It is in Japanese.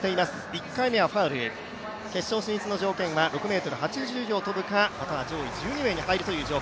１回目はファウル、決勝進出の条件は６ｍ８０以上跳ぶかまた上位１２名に入るかという。